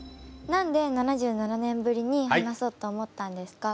何で７７年ぶりに話そうと思ったんですか？